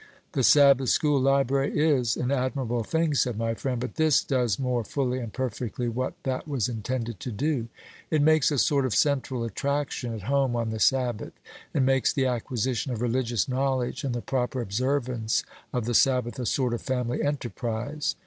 "The Sabbath school library is an admirable thing," said my friend; "but this does more fully and perfectly what that was intended to do. It makes a sort of central attraction at home on the Sabbath, and makes the acquisition of religious knowledge and the proper observance of the Sabbath a sort of family enterprise.